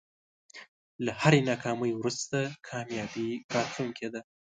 له هری ناکامۍ وروسته کامیابي راتلونکی ده.